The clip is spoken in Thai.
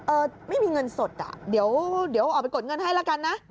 เออไม่มีเงินสดอ่ะเดี๋ยวออกไปกดเงินให้ละกันนะ